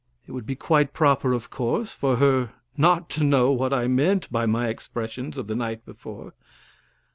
It would be quite proper, of course, for her not to know what I meant by my expressions of the night before.